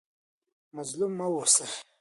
مظلوم مه اوسئ.